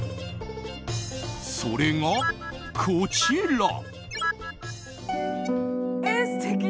それがこちら。